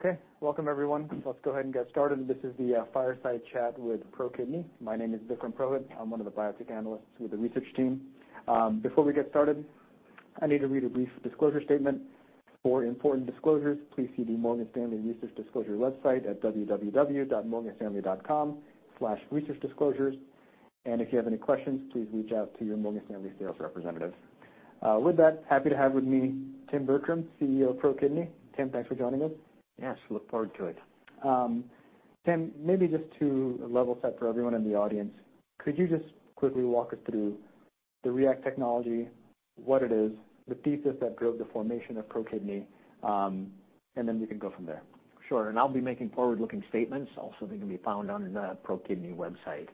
Okay. Welcome, everyone. Let's go ahead and get started. This is the Fireside Chat with ProKidney. My name is Vikram Purohit. I'm one of the biotech analysts with the research team. Before we get started, I need to read a brief disclosure statement. For important disclosures, please see the Morgan Stanley Research Disclosure website at www.morganstanley.com/researchdisclosures. If you have any questions, please reach out to your Morgan Stanley sales representative. With that, happy to have with me Tim Bertram, CEO of ProKidney. Tim, thanks for joining us. Yes, look forward to it. Tim, maybe just to level set for everyone in the audience, could you just quickly walk us through the REACT technology, what it is, the thesis that drove the formation of ProKidney, and then we can go from there? Sure, and I'll be making forward-looking statements, also, they can be found on the ProKidney website.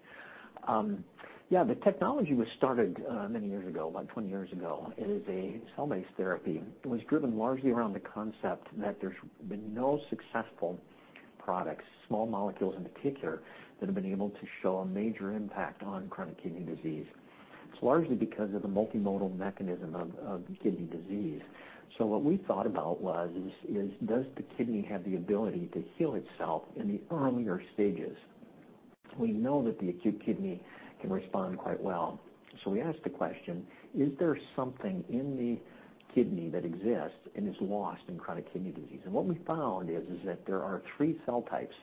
Yeah, the technology was started many years ago, about 20 years ago. It is a cell-based therapy. It was driven largely around the concept that there's been no successful products, small molecules in particular, that have been able to show a major impact on chronic kidney disease. It's largely because of the multimodal mechanism of kidney disease. So what we thought about was, does the kidney have the ability to heal itself in the earlier stages? We know that the acute kidney can respond quite well. So we asked the question: Is there something in the kidney that exists and is lost in chronic kidney disease? What we found is that there are three cell types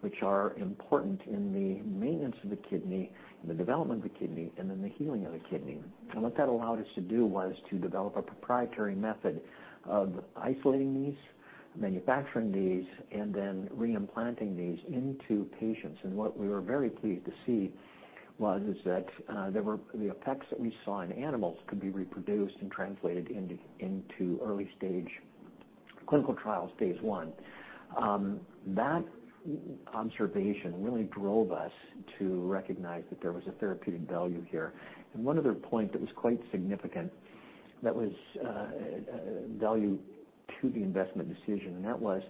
which are important in the maintenance of the kidney, in the development of the kidney, and in the healing of the kidney. What that allowed us to do was to develop a proprietary method of isolating these, manufacturing these, and then re-implanting these into patients. What we were very pleased to see was that the effects that we saw in animals could be reproduced and translated into early stage clinical trials, phase one. That observation really drove us to recognize that there was a therapeutic value here. One other point that was quite significant, value to the investment decision, and that was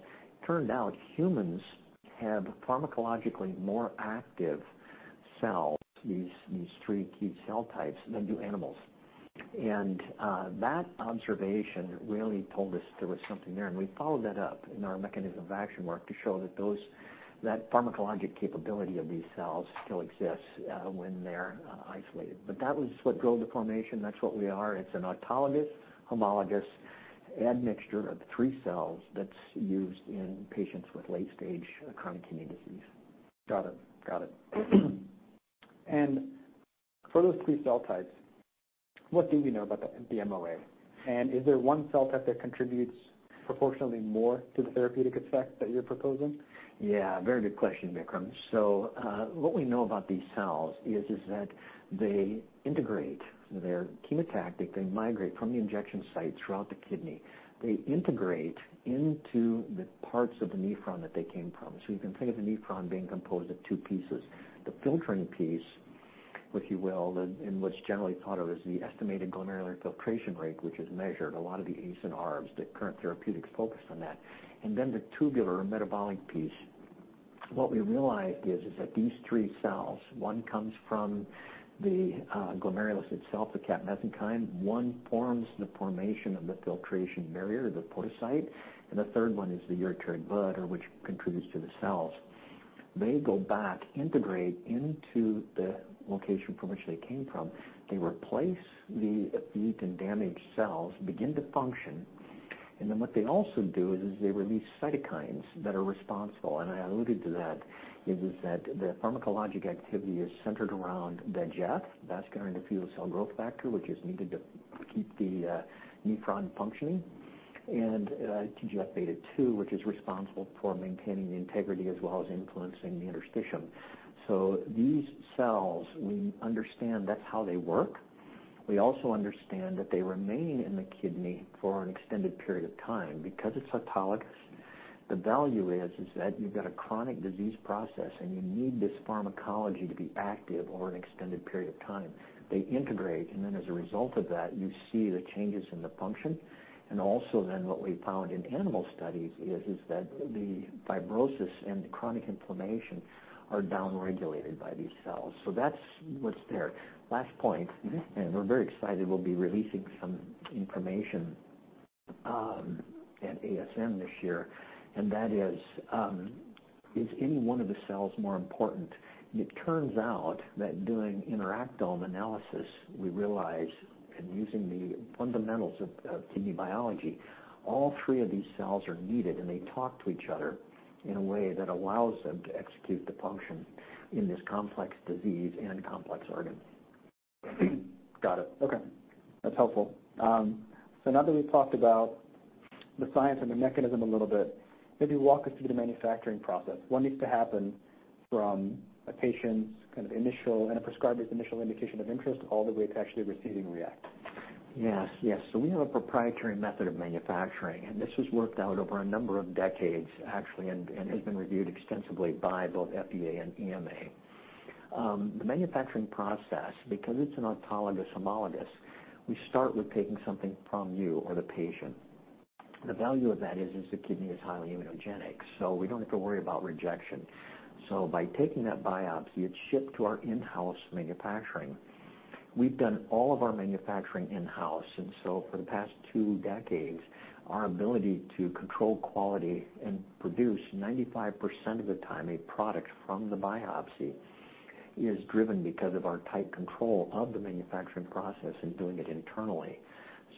turned out humans have pharmacologically more active cells, these three key cell types, than do animals. And, that observation really told us there was something there, and we followed that up in our mechanism of action work to show that those, that pharmacologic capability of these cells still exists, when they're, isolated. But that was what drove the formation. That's what we are. It's an autologous, homologous admixture of the three cells that's used in patients with late-stage chronic kidney disease. Got it. Got it. And for those three cell types, what do we know about the MOA? And is there one cell type that contributes proportionately more to the therapeutic effect that you're proposing? Yeah, very good question, Vikram. So, what we know about these cells is that they integrate, they're chemotactic, they migrate from the injection site throughout the kidney. They integrate into the parts of the nephron that they came from. So you can think of the nephron being composed of two pieces, the filtering piece, if you will, and what's generally thought of as the estimated glomerular filtration rate, which is measured. A lot of the ACE and ARBs, the current therapeutics, focus on that. And then the tubular metabolic piece. What we realized is that these three cells, one comes from the glomerulus itself, the podocyte, one forms the formation of the filtration barrier, the podocyte, and the third one is the ureteric bud, which contributes to the cells. They go back, integrate into the location from which they came from. They replace the weak and damaged cells, begin to function, and then what they also do is they release cytokines that are responsible. And I alluded to that, that the pharmacologic activity is centered around VEGF, vascular endothelial cell growth factor, which is needed to keep the nephron functioning, and TGF-beta2, which is responsible for maintaining the integrity as well as influencing the interstitium. So these cells, we understand that's how they work. We also understand that they remain in the kidney for an extended period of time. Because it's autologous, the value is that you've got a chronic disease process, and you need this pharmacology to be active over an extended period of time. They integrate, and then as a result of that, you see the changes in the function. What we found in animal studies is that the fibrosis and the chronic inflammation are downregulated by these cells. So that's what's there. Last point, and we're very excited, we'll be releasing some information at ASN this year, and that is: Is any one of the cells more important? It turns out that doing interactome analysis, we realize, and using the fundamentals of kidney biology, all three of these cells are needed, and they talk to each other in a way that allows them to execute the function in this complex disease and complex organ. Got it. Okay, that's helpful. So now that we've talked about the science and the mechanism a little bit, maybe walk us through the manufacturing process. What needs to happen from a patient's kind of initial and a prescriber's initial indication of interest, all the way to actually receiving REACT? Yes. Yes. So we have a proprietary method of manufacturing, and this was worked out over a number of decades, actually, and has been reviewed extensively by both FDA and EMA. The manufacturing process, because it's an autologous homologous, we start with taking something from you or the patient. The value of that is the kidney is highly immunogenic, so we don't have to worry about rejection. So by taking that biopsy, it's shipped to our in-house manufacturing. We've done all of our manufacturing in-house, and so for the past two decades, our ability to control quality and produce 95% of the time a product from the biopsy is driven because of our tight control of the manufacturing process and doing it internally.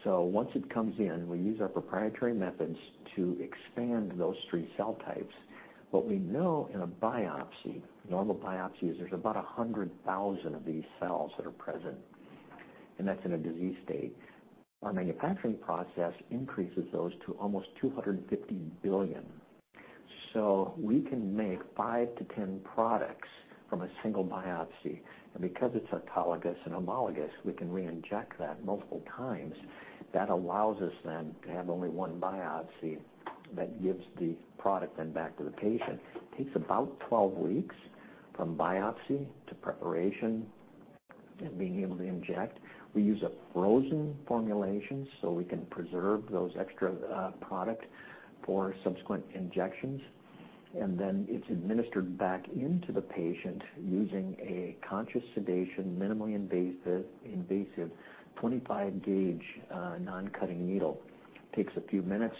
So once it comes in, we use our proprietary methods to expand those three cell types. What we know in a biopsy, normal biopsy, is there's about 100,000 of these cells that are present, and that's in a disease state. Our manufacturing process increases those to almost 250 billion. So we can make 5-10 products from a single biopsy, and because it's autologous and homologous, we can re-inject that multiple times. That allows us then to have only one biopsy that gives the product then back to the patient. It takes about 12 weeks from biopsy to preparation and being able to inject. We use a frozen formulation, so we can preserve those extra product for subsequent injections, and then it's administered back into the patient using a conscious sedation, minimally invasive, invasive, 25-gauge non-cutting needle. Takes a few minutes.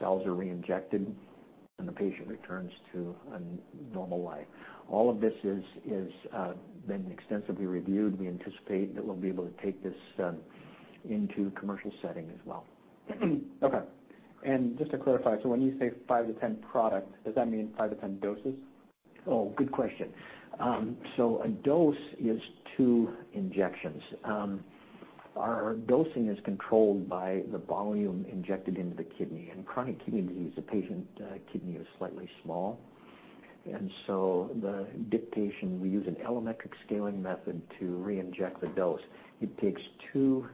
Cells are reinjected, and the patient returns to a normal life. All of this is been extensively reviewed. We anticipate that we'll be able to take this into commercial setting as well. Okay. And just to clarify, so when you say 5 to 10 product, does that mean 5 to 10 doses? Oh, good question. So a dose is two injections. Our dosing is controlled by the volume injected into the kidney. In chronic kidney disease, the patient's kidney is slightly small, and so the duration we use an allometric scaling method to adjust the dose. It takes two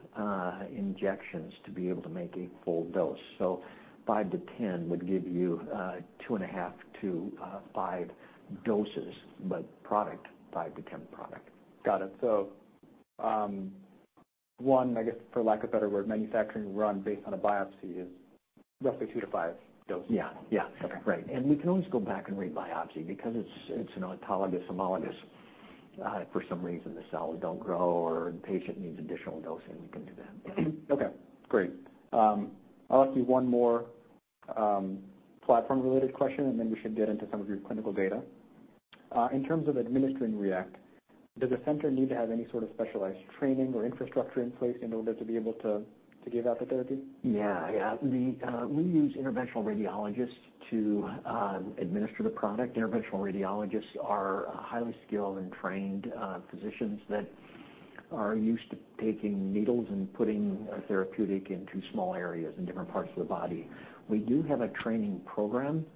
injections to be able to make a full dose. So 5-10 would give you 2.5-5 doses, but product, 5-10 product. Got it. So, one, I guess, for lack of a better word, manufacturing run based on a biopsy is roughly 2-5 doses? Yeah. Yeah. Okay. Right. And we can always go back and rebiopsy because it's, it's an autologous, homologous. If for some reason, the cells don't grow or the patient needs additional dosing, we can do that. Okay, great. I'll ask you one more platform-related question, and then we should get into some of your clinical data. In terms of administering REACT, does the center need to have any sort of specialized training or infrastructure in place in order to be able to, to give out the therapy? Yeah. Yeah. The, we use interventional radiologists to administer the product. Interventional radiologists are highly skilled and trained physicians that are used to taking needles and putting a therapeutic into small areas in different parts of the body. We do have a training program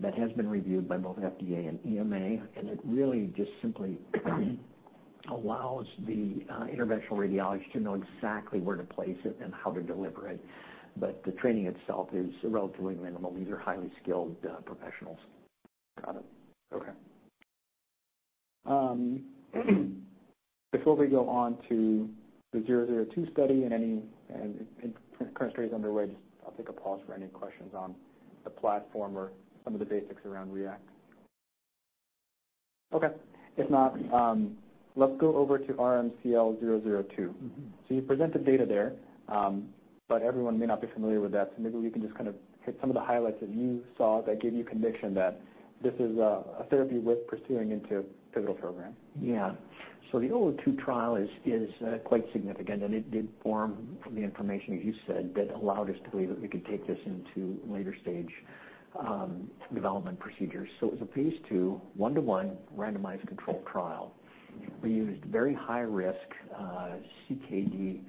that has been reviewed by both FDA and EMA, and it really just simply allows the interventional radiologist to know exactly where to place it and how to deliver it. But the training itself is relatively minimal. These are highly skilled professionals. Got it. Okay. Before we go on to the 002 study and any current studies underway, I'll take a pause for any questions on the platform or some of the basics around REACT. Okay. If not, let's go over to RMCL-002. Mm-hmm. So you presented data there, but everyone may not be familiar with that. So maybe we can just kind of hit some of the highlights that you saw that gave you conviction that this is a therapy worth pursuing into pivotal program. Yeah. So the RMCL-002 trial is quite significant, and it did form from the information, as you said, that allowed us to believe that we could take this into later stage development procedures. So it was a phase 2, 1:1 randomized controlled trial. We used very high risk CKD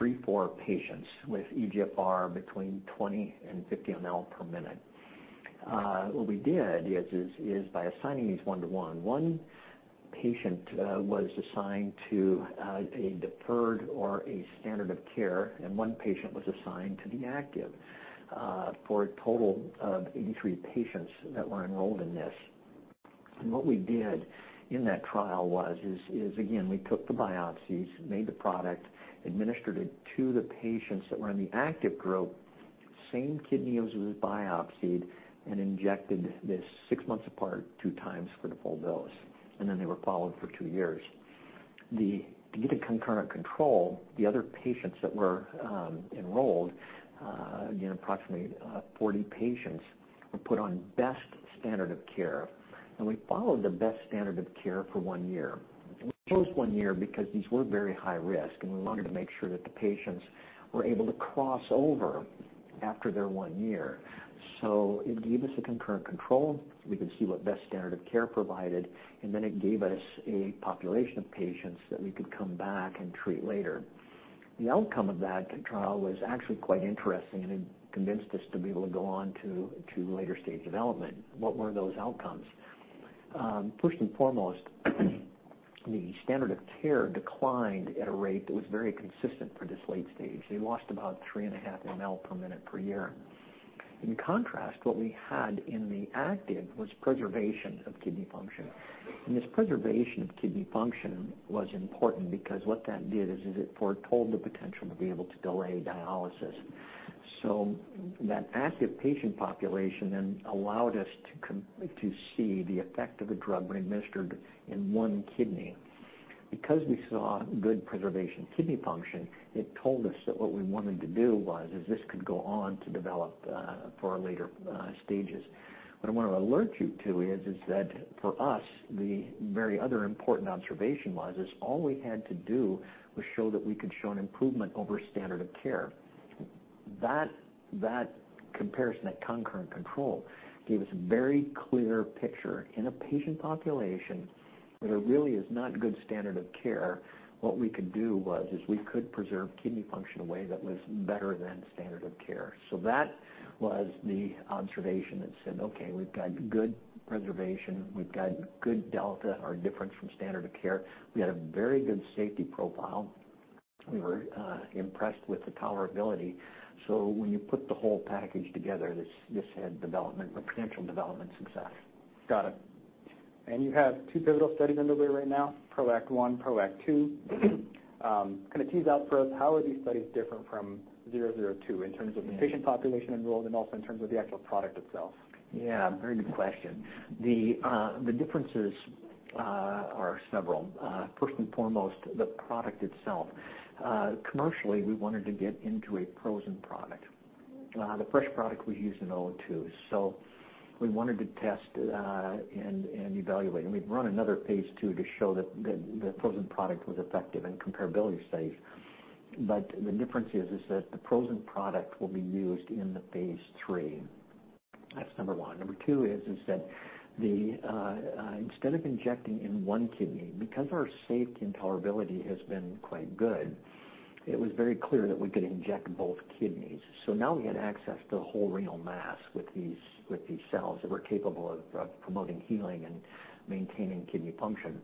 3-4 patients with eGFR between 20 and 50 mL/min. What we did is by assigning these 1:1, one patient was assigned to a deferred or a standard of care, and one patient was assigned to the active, for a total of 83 patients that were enrolled in this. What we did in that trial was, again, we took the biopsies, made the product, administered it to the patients that were in the active group, same kidney as was biopsied, and injected this six months apart, two times for the full dose, and then they were followed for two years. To get a concurrent control, the other patients that were enrolled, again, approximately 40 patients, were put on best standard of care, and we followed the best standard of care for one year. We chose one year because these were very high risk, and we wanted to make sure that the patients were able to cross over after their one year. It gave us a concurrent control. We could see what best standard of care provided, and then it gave us a population of patients that we could come back and treat later. The outcome of that trial was actually quite interesting, and it convinced us to be able to go on to later stage development. What were those outcomes? First and foremost, the standard of care declined at a rate that was very consistent for this late stage. They lost about 3.5 mL per minute per year. In contrast, what we had in the active was preservation of kidney function. And this preservation of kidney function was important because what that did is it foretold the potential to be able to delay dialysis... So that active patient population then allowed us to see the effect of the drug when administered in one kidney. Because we saw good preservation kidney function, it told us that what we wanted to do was this could go on to develop for our later stages. What I want to alert you to is that for us, the very other important observation was all we had to do was show that we could show an improvement over standard of care. That, that comparison, that concurrent control, gave us a very clear picture in a patient population, where there really is not good standard of care, what we could do was we could preserve kidney function in a way that was better than standard of care. So that was the observation that said, "Okay, we've got good preservation, we've got good delta, or difference from standard of care." We had a very good safety profile. We were impressed with the tolerability. So when you put the whole package together, this had development, a potential development success. Got it. And you have two pivotal studies underway right now, PROACT 1, PROACT 2. Can you tease out for us, how are these studies different from zero-zero two in terms of- Yeah... the patient population enrolled, and also in terms of the actual product itself? Yeah, very good question. The differences are several. First and foremost, the product itself. Commercially, we wanted to get into a frozen product. The fresh product we used in zero two. So we wanted to test and evaluate, and we'd run another phase 2 to show that the frozen product was effective in comparability studies. But the difference is that the frozen product will be used in the phase 3. That's number one. Number two is that instead of injecting in one kidney, because our safety and tolerability has been quite good, it was very clear that we could inject both kidneys. So now we had access to the whole renal mass with these cells that were capable of promoting healing and maintaining kidney function.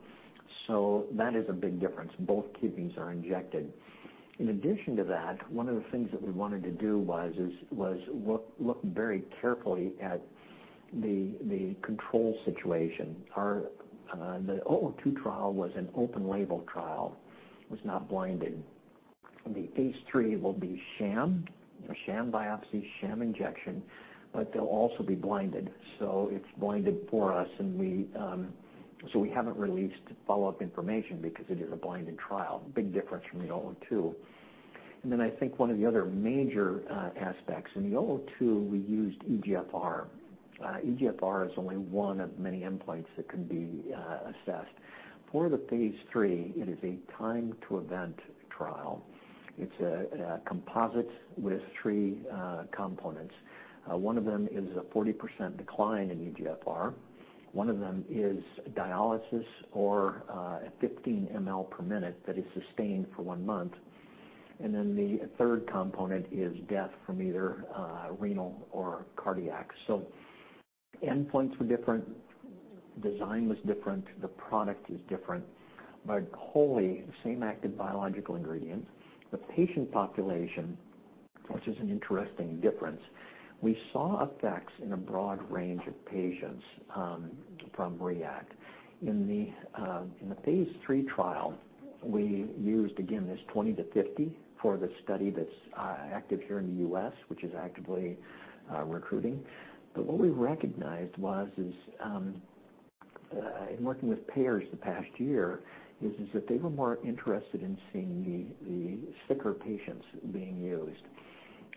So that is a big difference. Both kidneys are injected. In addition to that, one of the things that we wanted to do was to look very carefully at the control situation. Our zero two trial was an open label trial, was not blinded. The phase 3 will be sham, a sham biopsy, sham injection, but they'll also be blinded, so it's blinded for us, and we. So we haven't released follow-up information because it is a blinded trial. Big difference from the zero two. And then I think one of the other major aspects, in the zero two, we used eGFR. eGFR is only one of many endpoints that can be assessed. For the phase 3, it is a time to event trial. It's a composite with 3 components. One of them is a 40% decline in eGFR. One of them is dialysis or a 15 mL per minute that is sustained for one month. Then the third component is death from either renal or cardiac. So endpoints were different, design was different, the product is different, but wholly, the same active biological ingredient. The patient population, which is an interesting difference, we saw effects in a broad range of patients from REACT. In the phase 3 trial, we used, again, this 20-50 for the study that's active here in the U.S., which is actively recruiting. But what we recognized was in working with payers the past year, is that they were more interested in seeing the sicker patients being used.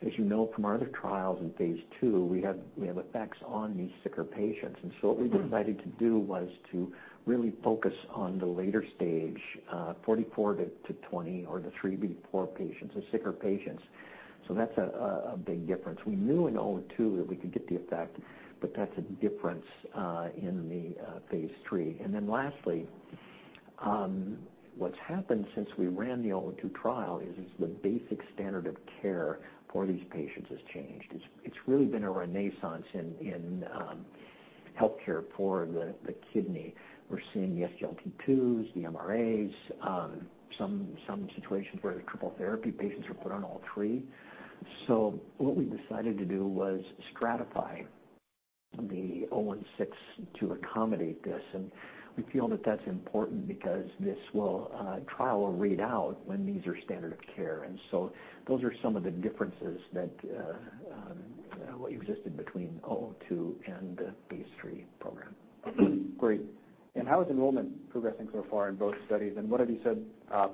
As you know, from our other trials in phase 2, we have effects on these sicker patients. And so what we decided to do was to really focus on the later stage, 44-20, or the 3-4 patients, the sicker patients. So that's a big difference. We knew in 02 that we could get the effect, but that's a difference in the phase 3. And then lastly, what's happened since we ran the 02 trial is the basic standard of care for these patients has changed. It's really been a renaissance in healthcare for the kidney. We're seeing the SGLT2s, the MRAs, some situations where triple therapy patients are put on all three. So what we decided to do was stratify the 016 to accommodate this, and we feel that that's important because this trial will read out when these are standard of care. And so those are some of the differences that existed between zero two and the phase 3 program. Great. And how is enrollment progressing so far in both studies, and what have you said,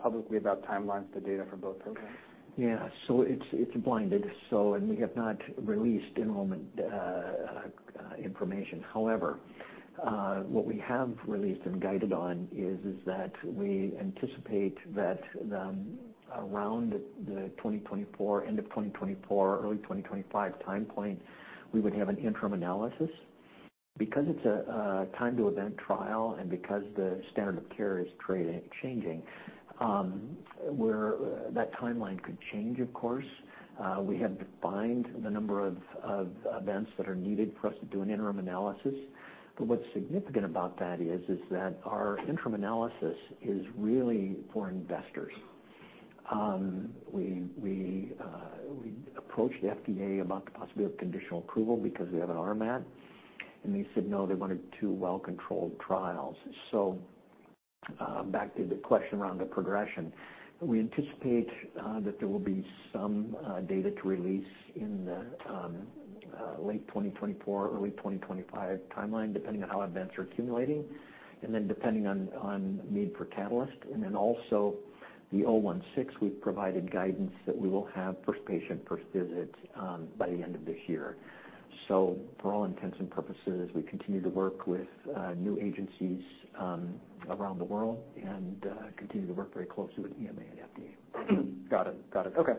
publicly about timelines for data from both programs? Yeah. So it's, it's blinded, so and we have not released enrollment information. However, what we have released and guided on is, is that we anticipate that the, around the 2024, end of 2024, early 2025 time point, we would have an interim analysis. Because it's a, a time to event trial and because the standard of care is trend-changing, we're that timeline could change, of course. We have defined the number of events that are needed for us to do an interim analysis. But what's significant about that is that our interim analysis is really for investors. We approached the FDA about the possibility of conditional approval because we have an RMAT, and they said, no, they wanted two well-controlled trials. Back to the question around the progression. We anticipate that there will be some data to release in the late 2024, early 2025 timeline, depending on how events are accumulating, and then depending on need for catalyst. Then also the 016, we've provided guidance that we will have first patient, first visit by the end of this year. So for all intents and purposes, we continue to work with regulatory agencies around the world, and continue to work very closely with EMA and FDA. Got it. Got it. Okay,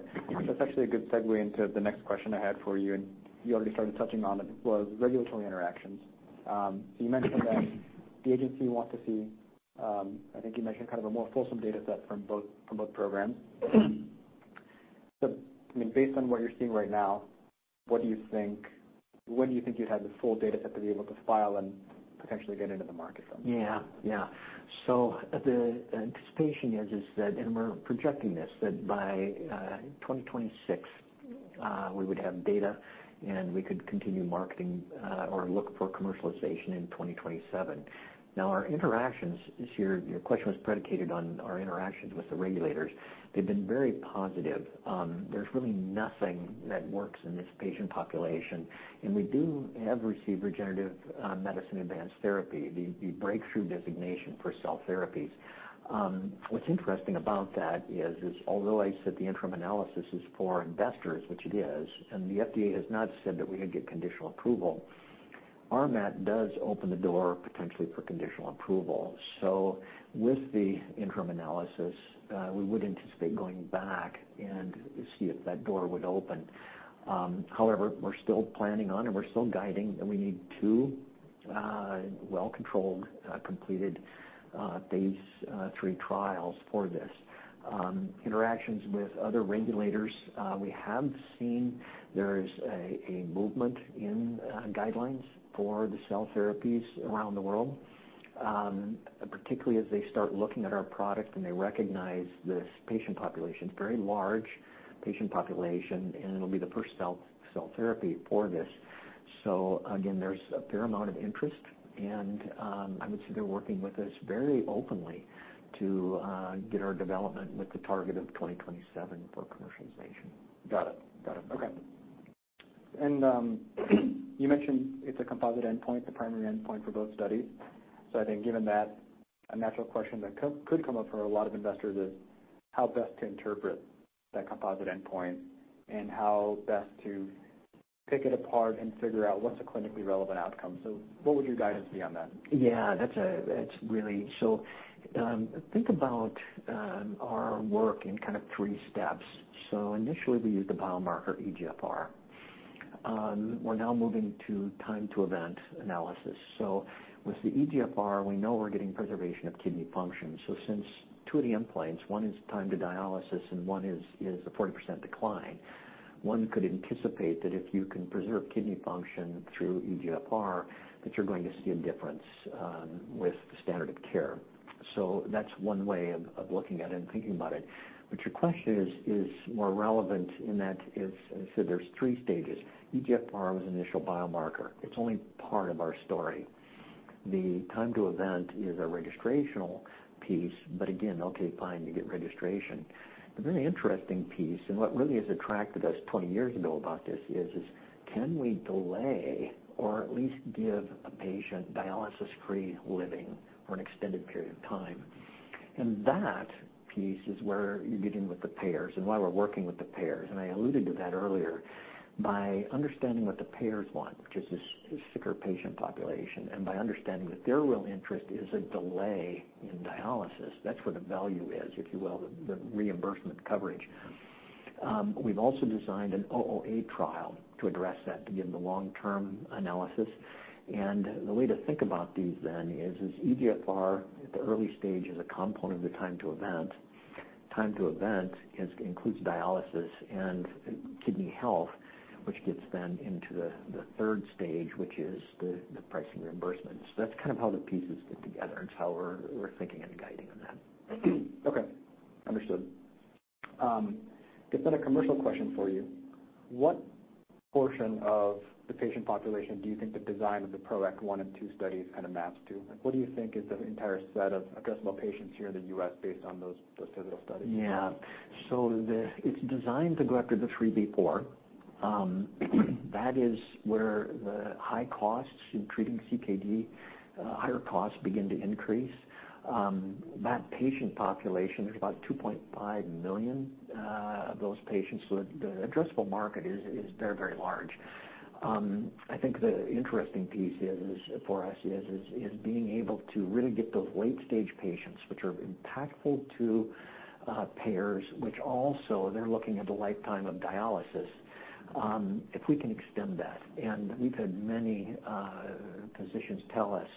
that's actually a good segue into the next question I had for you, and you already started touching on it, was regulatory interactions. So, you mentioned that the agency want to see, I think you mentioned kind of a more fulsome data set from both, from both programs. So, I mean, based on what you're seeing right now, what do you think, when do you think you'd have the full data set to be able to file and potentially get into the market then? Yeah. Yeah. So the anticipation is that, and we're projecting this, that by 2026, we would have data, and we could continue marketing or look for commercialization in 2027. Now, our interactions, your question was predicated on our interactions with the regulators. They've been very positive. There's really nothing that works in this patient population, and we have received Regenerative Medicine Advanced Therapy, the breakthrough designation for cell therapies. What's interesting about that is although I said the interim analysis is for investors, which it is, and the FDA has not said that we could get conditional approval, RMAT does open the door potentially for conditional approval. So with the interim analysis, we would anticipate going back and see if that door would open. However, we're still planning on, and we're still guiding, that we need two well-controlled completed phase 3 trials for this. Interactions with other regulators, we have seen there is a movement in guidelines for the cell therapies around the world, particularly as they start looking at our product and they recognize this patient population. It's a very large patient population, and it'll be the first cell therapy for this. So again, there's a fair amount of interest, and I would say they're working with us very openly to get our development with the target of 2027 for commercialization. Got it. Got it. Okay. And, you mentioned it's a composite endpoint, the primary endpoint for both studies. So I think given that, a natural question that could come up for a lot of investors is how best to interpret that composite endpoint and how best to pick it apart and figure out what's the clinically relevant outcome. So what would your guidance be on that? Yeah, that's really... So, think about our work in kind of three steps. So initially, we used the biomarker eGFR. We're now moving to time-to-event analysis. So with the eGFR, we know we're getting preservation of kidney function. So since two of the endpoints, one is time to dialysis and one is a 40% decline, one could anticipate that if you can preserve kidney function through eGFR, that you're going to see a difference with the standard of care. So that's one way of looking at it and thinking about it. But your question is more relevant in that, I said there's three stages. eGFR was initial biomarker. It's only part of our story. The time-to-event is a registrational piece, but again, okay, fine, you get registration. The really interesting piece, and what really has attracted us 20 years ago about this is, can we delay or at least give a patient dialysis-free living for an extended period of time? And that piece is where you get in with the payers and why we're working with the payers. And I alluded to that earlier. By understanding what the payers want, which is a sicker patient population, and by understanding that their real interest is a delay in dialysis, that's where the value is, if you will, the reimbursement coverage. We've also designed an OOA trial to address that, to give the long-term analysis. And the way to think about these then is, eGFR at the early stage is a component of the time to event. Time to event includes dialysis and kidney health, which gets then into the third stage, which is the pricing reimbursement. So that's kind of how the pieces fit together. It's how we're thinking and guiding on that. Okay, understood. Just then a commercial question for you. What portion of the patient population do you think the design of the PROACT 1 and 2 studies kind of maps to? Like, what do you think is the entire set of addressable patients here in the U.S. based on those, those pivotal studies? Yeah. So it's designed to go after the 3b/4. That is where the high costs in treating CKD, higher costs begin to increase. That patient population, there's about 2.5 million of those patients. So the addressable market is very, very large. I think the interesting piece is, for us, being able to really get those late-stage patients, which are impactful to payers, which also they're looking at a lifetime of dialysis, if we can extend that. And we've had many physicians tell us,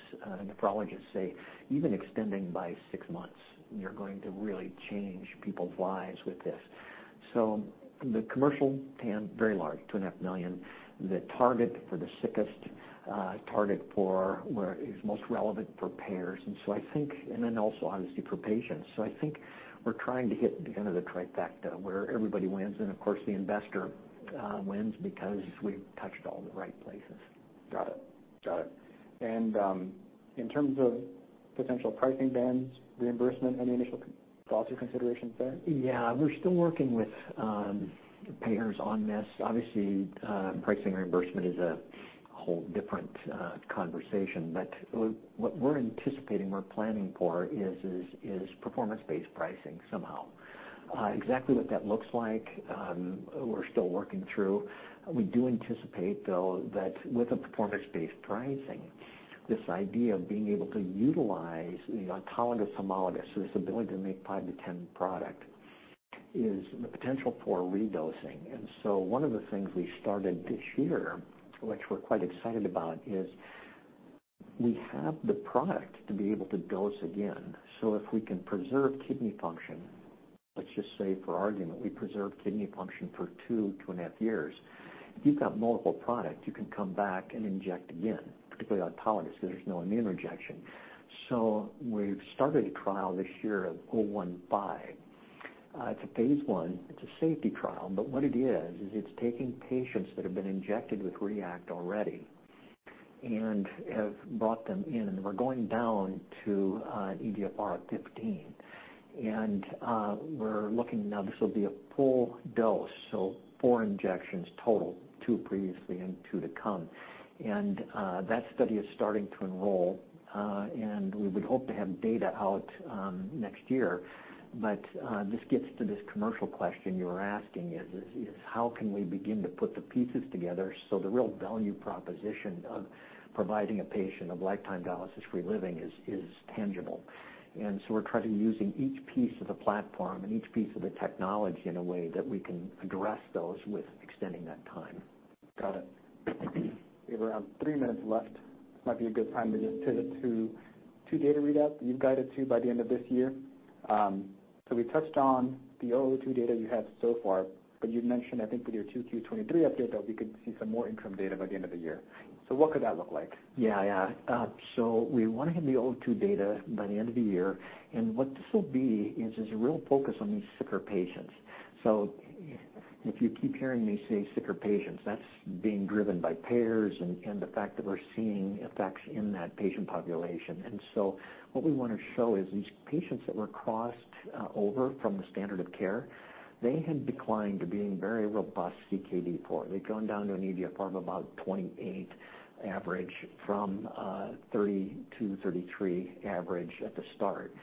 nephrologists say, even extending by six months, you're going to really change people's lives with this. So the commercial TAM, very large, 2.5 million. The target for the sickest, target for where is most relevant for payers, and so I think... And then also, obviously, for patients. So I think we're trying to hit kind of the trifecta where everybody wins, and of course, the investor wins because we've touched all the right places.... Got it. Got it. And, in terms of potential pricing and reimbursement, any initial thoughts or considerations there? Yeah, we're still working with the payers on this. Obviously, pricing reimbursement is a whole different conversation. But what we're anticipating, we're planning for is performance-based pricing somehow. Exactly what that looks like, we're still working through. We do anticipate, though, that with a performance-based pricing, this idea of being able to utilize the autologous homologous, so this ability to make 5-10 product, is the potential for redosing. And so one of the things we started this year, which we're quite excited about, is we have the product to be able to dose again. So if we can preserve kidney function, let's just say for argument, we preserve kidney function for 2-2.5 years, if you've got multiple product, you can come back and inject again, particularly autologous, there's no immune rejection. So we've started a trial this year of O15. It's a phase 1, it's a safety trial, but what it is, is it's taking patients that have been injected with REACT already and have brought them in. We're going down to an eGFR of 15, and we're looking now, this will be a full dose, so 4 injections total, 2 previously and 2 to come. And that study is starting to enroll, and we would hope to have data out next year. But this gets to this commercial question you were asking is, is how can we begin to put the pieces together so the real value proposition of providing a patient of lifetime dialysis-free living is tangible? And so we're trying to use each piece of the platform and each piece of the technology in a way that we can address those with extending that time. Got it. We have around three minutes left. Might be a good time to just pivot to two data readouts that you've guided to by the end of this year. So we touched on the RMCL-002 data you have so far, but you've mentioned, I think, with your 2Q23 update, that we could see some more interim data by the end of the year. So what could that look like? Yeah. Yeah. So we want to have the RMCL-002 data by the end of the year, and what this will be is a real focus on these sicker patients. So if you keep hearing me say sicker patients, that's being driven by payers and the fact that we're seeing effects in that patient population. And so what we want to show is these patients that were crossed over from the standard of care, they had declined to being very robust CKD 4. They've gone down to an eGFR of about 28 average from 32, 33 average at the start.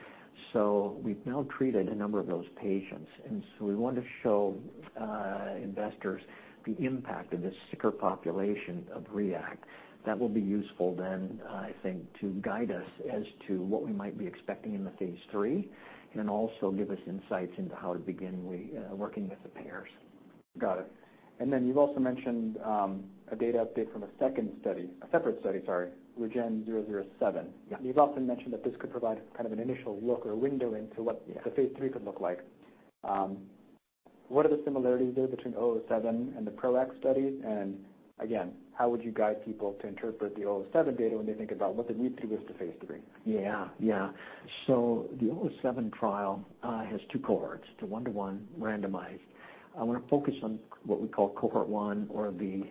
So we've now treated a number of those patients, and so we want to show investors the impact of this sicker population of REACT. That will be useful then, I think, to guide us as to what we might be expecting in the phase 3, and then also give us insights into how to begin working with the payers. Got it. And then you've also mentioned, a data update from a second study, a separate study, sorry, REGEN-007. Yeah. You've also mentioned that this could provide kind of an initial look or window into what- Yeah the phase 3 could look like. What are the similarities there between 007 and the PROACT studies? And again, how would you guide people to interpret the 007 data when they think about what they need to with the phase 3? Yeah. Yeah. So the REGEN-007 trial has two cohorts, the 1:1 randomized. I want to focus on what we call cohort one or the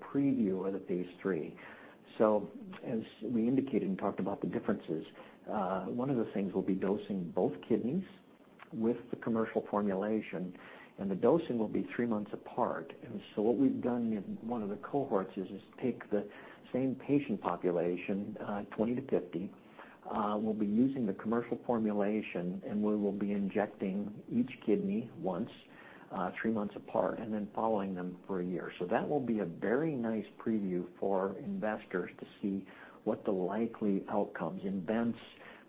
preview of the phase 3. So as we indicated and talked about the differences, one of the things will be dosing both kidneys with the commercial formulation, and the dosing will be three months apart. And so what we've done in one of the cohorts is take the same patient population, 20-50. We'll be using the commercial formulation, and we will be injecting each kidney once, three months apart, and then following them for a year. So that will be a very nice preview for investors to see what the likely outcomes in bench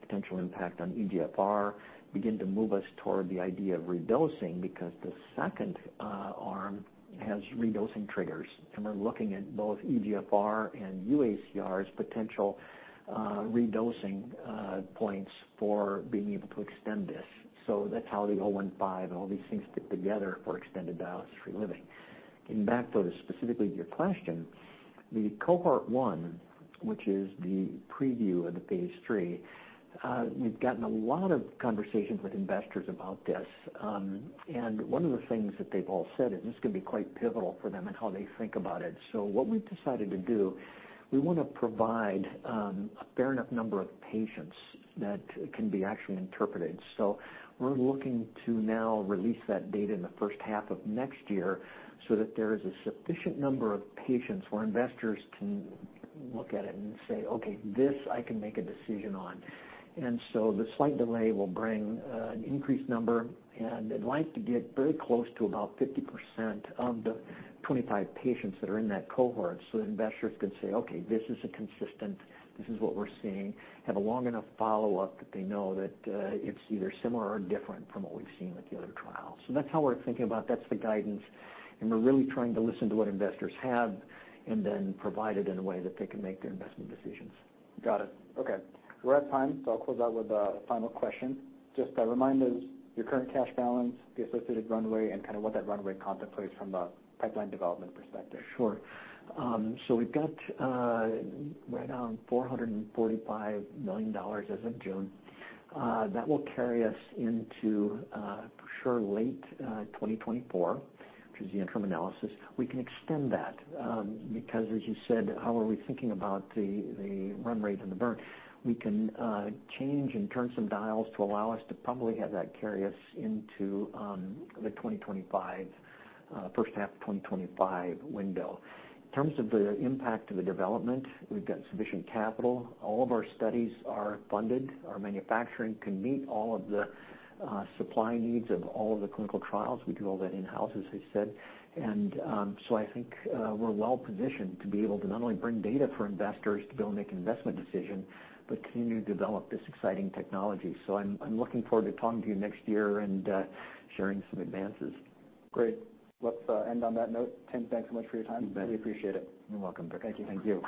potential impact on eGFR begin to move us toward the idea of redosing, because the second arm has redosing triggers, and we're looking at both eGFR and UACR's potential redosing points for being able to extend this. So that's how the O15 and all these things fit together for extended dialysis-free living. Getting back, though, specifically to your question, the cohort one, which is the preview of the phase three, we've gotten a lot of conversations with investors about this, and one of the things that they've all said, and this can be quite pivotal for them and how they think about it. So what we've decided to do, we want to provide a fair enough number of patients that can be actually interpreted. So we're looking to now release that data in the first half of next year, so that there is a sufficient number of patients where investors can look at it and say, "Okay, this I can make a decision on." And so the slight delay will bring an increased number, and I'd like to get very close to about 50% of the 25 patients that are in that cohort, so investors can say: Okay, this is a consistent, this is what we're seeing. Have a long enough follow-up that they know that it's either similar or different from what we've seen with the other trials. So that's how we're thinking about. That's the guidance, and we're really trying to listen to what investors have and then provide it in a way that they can make their investment decisions. Got it. Okay, we're at time, so I'll close out with a final question. Just a reminder, your current cash balance, the associated runway, and kind of what that runway contemplates from the pipeline development perspective. Sure. So we've got right around $445 million as of June. That will carry us into, for sure, late 2024, which is the interim analysis. We can extend that, because as you said, how are we thinking about the, the run rate and the burn? We can change and turn some dials to allow us to probably have that carry us into the 2025, first half of 2025 window. In terms of the impact of the development, we've got sufficient capital. All of our studies are funded. Our manufacturing can meet all of the supply needs of all of the clinical trials. We do all that in-house, as I said. I think we're well-positioned to be able to not only bring data for investors to be able to make an investment decision, but continue to develop this exciting technology. I'm looking forward to talking to you next year and sharing some advances. Great. Let's end on that note. Tim, thanks so much for your time. You bet. Really appreciate it. You're welcome. Thank you. Thank you.